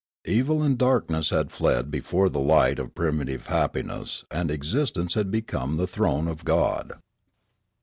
Evil and darkness had fled before the light of primitive happiness, and existence had become the throne of God.